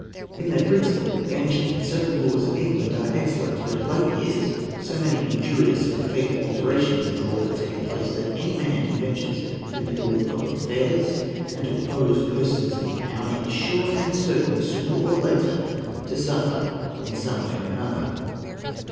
In their principle, the ancient and settled laws of England are excellent; but of late years, so many injurious and fatal alterations in the law have taken place, that any man who ventures to meddle with public affairs, and to oppose persons in power, is sure and certain, sooner or later, to suffer in some way or other.